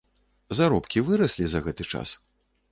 Заробкі выраслі за гэты час?